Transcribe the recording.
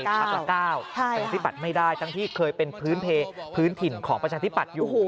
ประชาธิปัจธิ์ไม่ได้ตั้งที่เคยเป็นพื้นทิ่นของประชาธิปัจธิ์อยู่